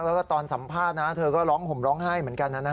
แล้วก็ตอนสัมภาษณ์นะเธอก็ร้องห่มร้องไห้เหมือนกัน